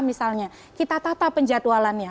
misalnya kita tata penjadwalannya